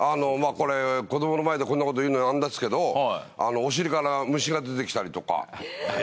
これ子どもの前でこんなこと言うのなんですけどお尻から虫が出てきたりとか。